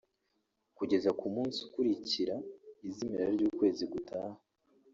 kugeza ku munsi ukurikira izimira ry’ukwezi gutaha